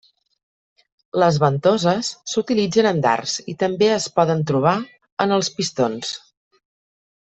Les ventoses s'utilitzen en dards i també es poden trobar en els pistons.